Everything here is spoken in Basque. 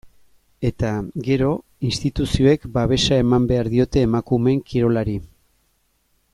Eta, gero, instituzioek babesa eman behar diote emakumeen kirolari.